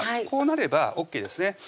こうなればＯＫですね